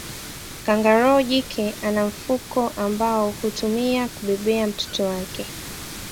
Kangaroo jike ana mfuko ambao hutumia kubebea mtoto wake